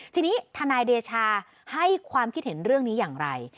ทีนี้ทนายเดชาให้ความคิดเห็นเรื่องนี้อย่างไร